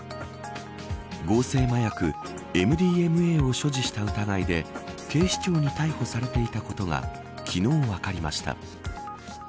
合成麻薬、МＤМＡを所持した疑いで警視庁に逮捕されていたことが昨日、分かりました。